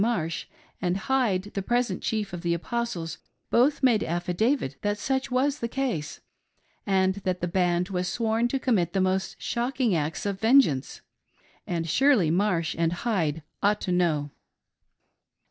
Marsh and Hyde the present chief of the Apostles both made affidavit that such was the case, and that the band was sworn to commit the most shocking acts of vengeance, — and surely Marsh and Hyde ought to know.